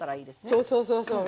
そうそうそうそう。